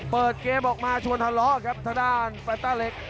เปิดเกมออกมาชวนทะเลาะครับทางด้านแฟนต้าเล็ก